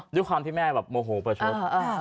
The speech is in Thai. ด้วยความที่แม่แบบโมโหประชด